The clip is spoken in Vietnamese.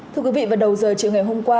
thưa quý vị vào đầu giờ chiều ngày hôm qua